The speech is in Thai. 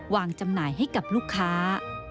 จำหน่ายให้กับลูกค้า